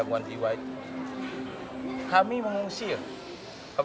sebenarnya apa bentuk atau visi kemanusiaan mereka